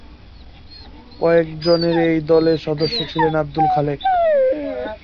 কয়েকজনের এই দলের সদস্য ছিলেন আবদুল খালেক।